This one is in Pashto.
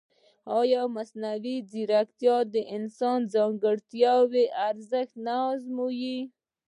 ایا مصنوعي ځیرکتیا د انساني ځانګړتیاوو ارزښت نه ازموي؟